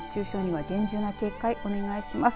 熱中症には厳重な警戒お願いします。